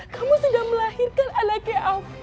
kamu sudah melahirkan anaknya